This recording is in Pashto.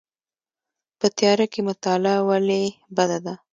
په تیاره کې مطالعه ولې بده ده؟